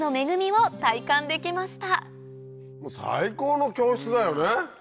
もう最高の教室だよね！